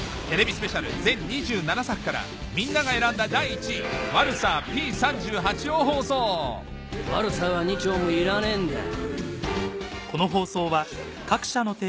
スペシャル全２７作からみんなが選んだ第１位『ワルサーＰ３８』を放送ワルサーは２丁もいらねえんだよ。